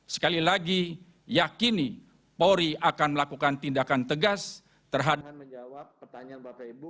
sekali lagi yakini polri akan melakukan tindakan tegas terhadap